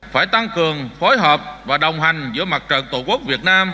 phải tăng cường phối hợp và đồng hành giữa mặt trận tổ quốc việt nam